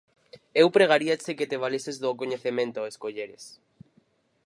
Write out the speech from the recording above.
Eu pregaríache que te valeses do coñecemento ao escolleres.